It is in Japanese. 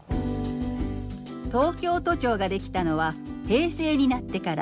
東京都庁ができたのは平成になってから。